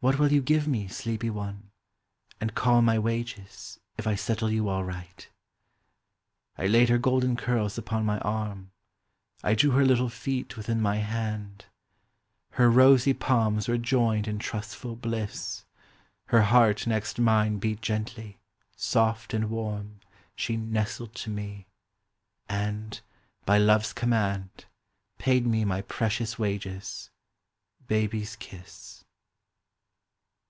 What will you give me, sleepy one, and call My wages, if 1 settle you all right? I laid her goldeu curls upon my arm, I drew her little feet within my hand, iler rosy palms were joiued in trustful bliss, iler heart next mine beat gently, soft and warm She nestled to me, and, by Love's command, Paid me my precious wages—" Baby's Kiss."